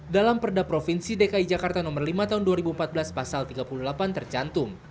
dalam perda provinsi dki jakarta nomor lima tahun dua ribu empat belas pasal tiga puluh delapan tercantum